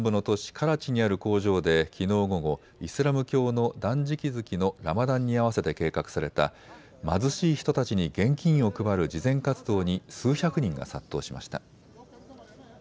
カラチにある工場できのう午後、イスラム教の断食月のラマダンにあわせて計画された貧しい人たちに現金を配る慈善活動に数百人が殺到しました。